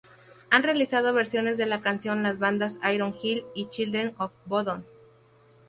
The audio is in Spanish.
Han realizado versiones de la canción las bandas Iron Hell y Children Of Bodom.